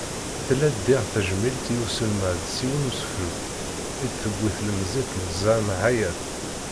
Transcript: Tella-d diɣ tejmilt i uselmad s yiwen n usefru, i d-tewwi tlemẓit Lezzam Ḥayat.